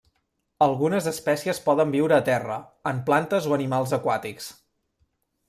Algunes espècies poden viure a terra, en plantes o animals aquàtics.